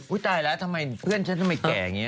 ตายแล้วทำไมเพื่อนฉันทำไมแก่อย่างนี้